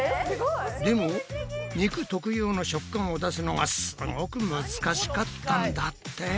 でも肉特有の食感を出すのがすごく難しかったんだって。